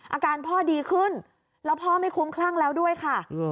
อาการพ่อดีขึ้นแล้วพ่อไม่คุ้มคลั่งแล้วด้วยค่ะ